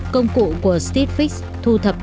công cụ của stitch fix thu thức